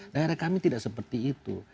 daerah kami tidak seperti itu